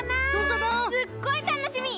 すっごいたのしみ！